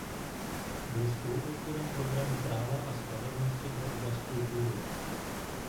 Byl spoluautorem programu Práva a spravedlnosti pro oblast kultury.